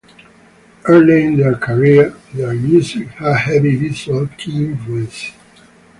Early in their career, their music had heavy visual kei influences.